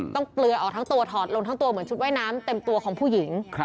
เปลือออกทั้งตัวถอดลงทั้งตัวเหมือนชุดว่ายน้ำเต็มตัวของผู้หญิง